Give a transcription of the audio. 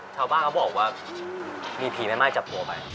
ชาวบ้านเขาบอกว่ามีผีแม่ไม้จับตัวไป